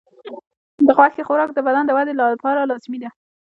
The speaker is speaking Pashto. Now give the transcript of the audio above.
د غوښې خوراک د بدن د ودې لپاره لازمي دی.